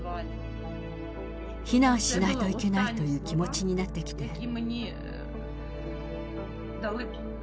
避難しないといけないという気持ちになってきて。